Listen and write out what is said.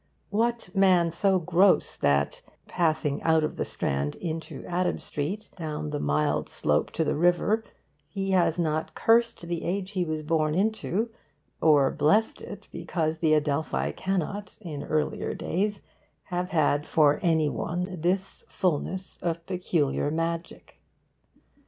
What man so gross that, passing out of the Strand into Adam Street, down the mild slope to the river, he has not cursed the age he was born into or blessed it because the Adelphi cannot in earlier days have had for any one this fullness of peculiar magic?